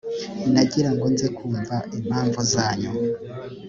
nagira ngo nze kumva impamvu zanyu .